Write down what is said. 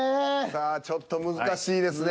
さあちょっと難しいですね。